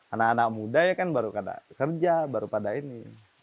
anak anak muda ya kan baru pada kerja baru pada ini